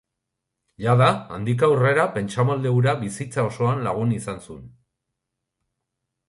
Jada, handik aurrera pentsamolde hura bizitza osoan lagun izan zuen.